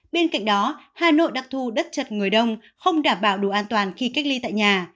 bên cạnh đó hà nội đặc thù đất chật người đông không đảm bảo đủ an toàn khi cách ly tại nhà